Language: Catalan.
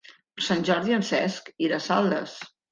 Per Sant Jordi en Cesc irà a Saldes.